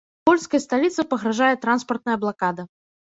Польскай сталіцы пагражае транспартная блакада.